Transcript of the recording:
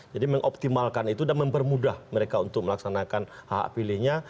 jadi mengoptimalkan itu dan mempermudah mereka untuk melaksanakan hak hak pilihnya